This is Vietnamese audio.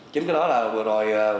chính cái đó là vừa rồi